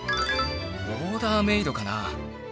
オーダーメードかな。